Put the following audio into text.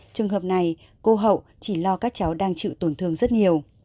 trường hợp này cô hậu chỉ lo các cháu đang chịu tổn thương rất nhiều